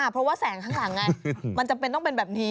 เพราะว่าแสงข้างหลังไงมันจำเป็นต้องเป็นแบบนี้